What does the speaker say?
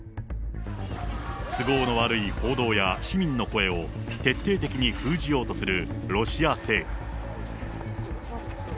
都合の悪い報道や市民の声を徹底的に封じようとするロシア政府。